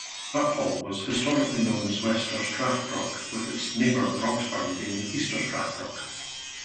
Uphall was historically known as Wester Strathbrock, with its neighbour Broxburn being Easter Strathbrock.